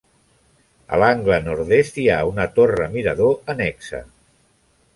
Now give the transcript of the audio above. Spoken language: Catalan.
A l'angle nord-est hi ha una torre-mirador annexa.